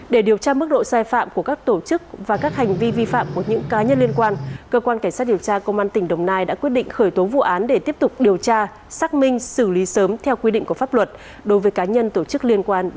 để điều tra mức độ sai phạm của các tổ chức và các hành vi vi phạm của những cá nhân liên quan cơ quan cảnh sát điều tra công an tỉnh đồng nai đã quyết định khởi tố vụ án để tiếp tục điều tra xác minh xử lý sớm theo quy định của pháp luật đối với cá nhân tổ chức liên quan